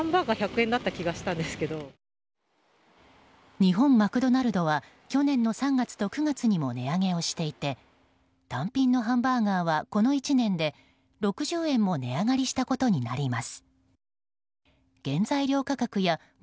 日本マクドナルドは去年の３月と９月にも値上げをしていて単品のハンバーガーはこの１年で６０円も値上がりしたことになります。